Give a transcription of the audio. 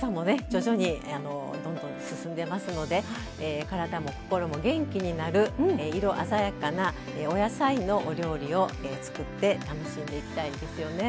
徐々にどんどん進んでますので体も心も元気になる色鮮やかなお野菜のお料理を作って楽しんでいきたいですよね。